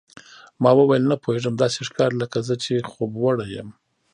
ما وویل، نه پوهېږم، داسې ښکاري لکه زه چې خوبوړی یم.